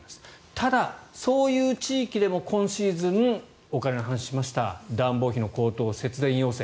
ただ、そういう地域でも今シーズンお金の話をしました暖房費の高騰、節電要請